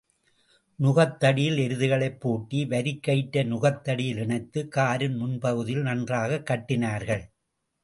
நுகத்தடியில் எருதுகளைப் பூட்டி வரிக்கயிற்றை நுகத் தடியில் இணைத்து, காரின் முன்பகுதியில் நன்றாகக் கட்டினார்கள்.